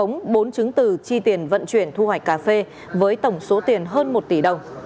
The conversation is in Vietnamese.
bốn chứng từ chi tiền vận chuyển thu hoạch cà phê với tổng số tiền hơn một tỷ đồng